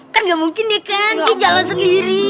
kan gak mungkin nih kan di jalan sendiri